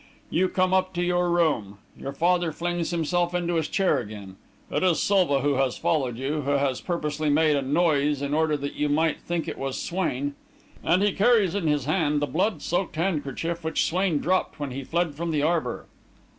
You come up to your room; your father flings himself into his chair again. It is Silva who has followed you who has purposely made a noise in order that you might think it was Swain. And he carries in his hand the blood soaked handkerchief which Swain dropped when he fled from the arbour.